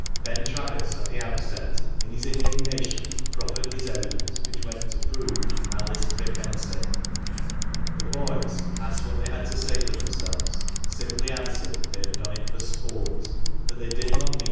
Ben Travis, at the outset, in his indignation, proffered his evidence, which went to prove malice prepense. The boys, asked what they had to say for themselves, simply answered they had done it for "sport" — that they did not mean THE MANCHESTER MAN.